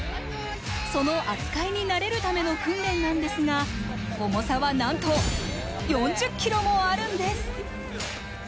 その扱いに慣れるための訓練なんですが、重さはなんと、４０ｋｇもあるんです。